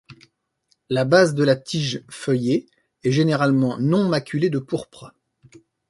La base de la tige feuillée est généralement non maculée de pourpre.